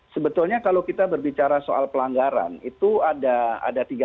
sebetulnya kalau kita berbicara soal pelanggaran pelanggan ini adalah hubungan yang sangat tinggi